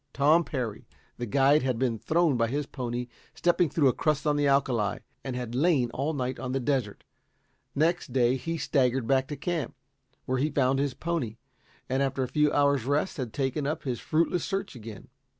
Tom Parry, the guide, had been thrown by his pony stepping through a crust on the alkali, and had lain all night on the desert. Next day he had staggered back to camp, where he found his pony, and after a few hours' rest had taken up his fruitless search again.